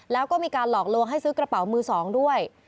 แล้วก็มีการหลอกลวงให้ซื้อกระเป๋ามือ๒ด้วย